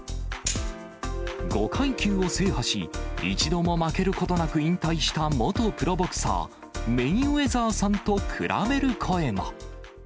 ５階級を制覇し、一度も負けることなく引退した元プロボクサー、メイウェザーさんと比べる声も。